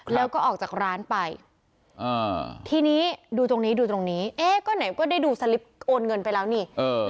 แล้วก็ออกจากร้านไปทีนี้ดูตรงนี้ดูตรงนี้เอ๊ะก็ไหนก็ได้ดูสลิปโอนเงินไปแล้วนี่